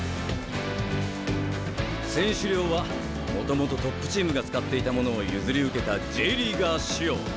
選手寮はもともとトップチームが使っていたものを譲り受けたＪリーガー仕様。